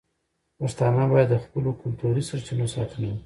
پښتانه باید د خپلو کلتوري سرچینو ساتنه وکړي.